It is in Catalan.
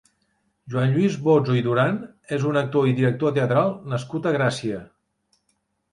Joan Lluís Bozzo i Duran és un actor i director teatral nascut a Gràcia.